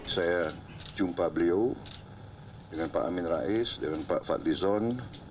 saya jumpa beliau dengan pak amin rais dengan pak fadlizon